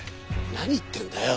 何言ってんだよ。